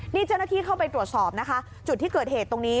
นี่เจ้าหน้าที่เข้าไปตรวจสอบนะคะจุดที่เกิดเหตุตรงนี้